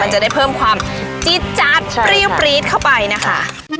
จะได้เพิ่มความจี๊ดจัดเปรี้ยวปรี๊ดเข้าไปนะคะ